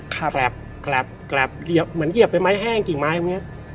กระแปลบเหมือนเย็บบางไม้แห้งกลิ่งไม้